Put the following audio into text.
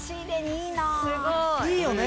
いいよね。